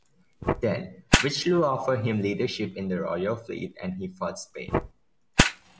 Then, Richelieu offered him leadership in the royal fleet and he fought Spain.